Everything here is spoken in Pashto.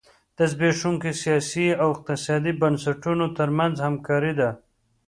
د زبېښونکو سیاسي او اقتصادي بنسټونو ترمنځ همکاري ده.